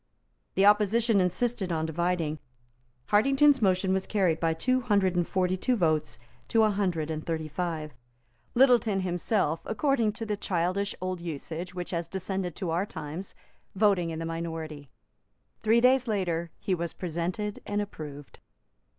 The opposition insisted on dividing. Hartington's motion was carried by two hundred and forty two votes to a hundred and thirty five, Littleton himself, according to the childish old usage which has descended to our times, voting in the minority. Three days later, he was presented and approved.